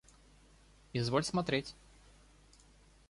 Изволь смотреть.